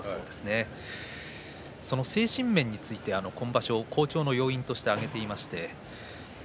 その精神面について今場所好調の要因として挙げていました。